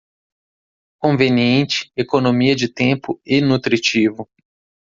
Conveniente, economia de tempo e nutritivo